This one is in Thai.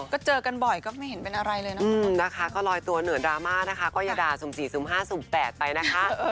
คิดว่าพวกเราไม่รู้เรื่องด้วยไม่ต้องเอาเราไปเขียว